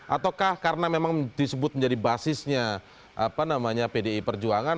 ataukah karena memang disebut menjadi basisnya pdi perjuangan